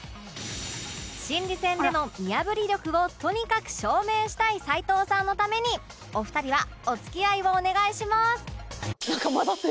心理戦での見破り力をとにかく証明したい齊藤さんのためにお二人はお付き合いをお願いします